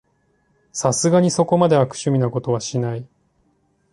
さすがにそこまで悪趣味なことはしない